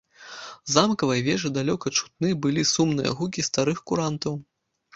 З замкавай вежы далёка чутны былі сумныя гукі старых курантаў.